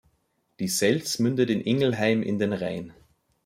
Die Selz mündet in Ingelheim in den Rhein.